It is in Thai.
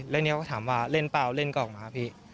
แล้วนี้ก็ถามว่าเล่นเปล่าเล่นกล่องมาครับพี่